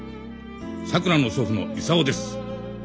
さくらの祖父の功です。